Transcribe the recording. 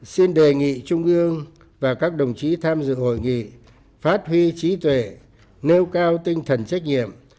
xin đề nghị trung ương và các đồng chí tham dự hội nghị phát huy trí tuệ nêu cao tinh thần trách nhiệm